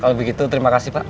kalau begitu terima kasih pak